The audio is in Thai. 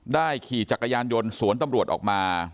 ขี่จักรยานยนต์สวนตำรวจออกมา